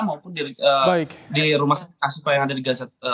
maupun di rumah sakit assufa yang ada di gaza